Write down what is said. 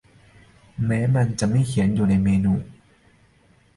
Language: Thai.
แม้มันจะไม่เขียนอยู่ในเมนู